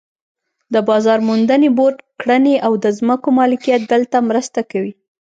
د بازار موندنې بورډ کړنې او د ځمکو مالکیت دلته مرسته کوي.